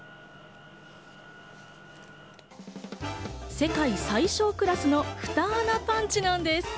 世界最小クラスの２穴パンチなんです。